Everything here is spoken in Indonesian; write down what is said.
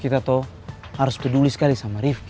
kita tahu harus peduli sekali sama rifki